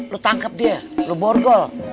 lu tangkep dia lo borgol